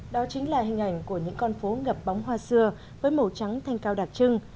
đó chính là hình ảnh của những con phố ngập bóng hoa xưa với màu trắng thanh cao đặc trưng